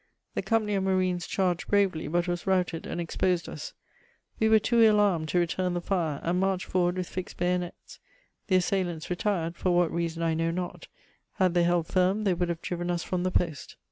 The company of marines charged bravely, but was routed, aiid exposed us. We were too ill armed to return the fire, and marched forward with fixed bayonets. The assailants retired, for what reason I know not; had they held firm, they would have driven us from the post.